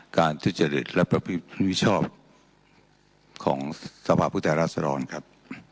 การทุจริตและประพิควิชอบของสภาพปุทธรรสรรค์ครับ